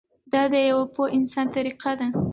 دا د یوه پوه انسان طریقه ده.